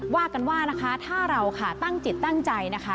ว่ากันว่านะคะถ้าเราค่ะตั้งจิตตั้งใจนะคะ